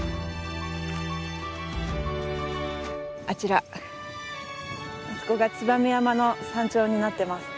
あちらあそこがツバメ山の山頂になってます。